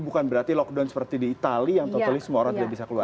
bukan berarti lockdown seperti di itali yang totally semua orang tidak bisa keluar